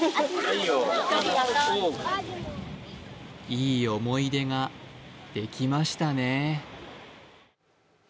いい思い出ができましたね。